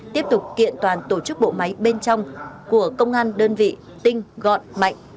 tiếp tục kiện toàn tổ chức bộ máy bên trong của công an đơn vị tinh gọn mạnh